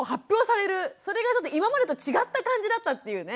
それがちょっと今までと違った感じだったっていうね。